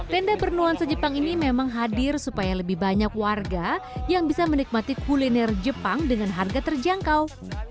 tenda bernuansa jepang ini memang hadir supaya lebih banyak warga yang bisa menikmati kuliner jepang dengan harga terjangkau